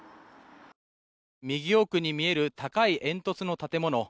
右奥に見える高い煙突の建物。